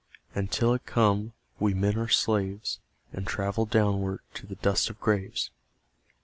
And till it come, we men are slaves, And travel downward to the dust of graves.